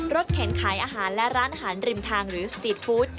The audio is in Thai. เข็นขายอาหารและร้านอาหารริมทางหรือสตีทฟู้ด